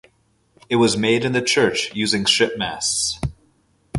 It was made in the church using ship masts.